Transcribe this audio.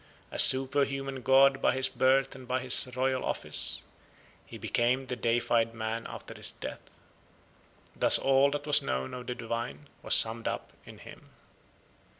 A superhuman god by his birth and by his royal office, he became the deified man after his death. Thus all that was known of the divine was summed up in him."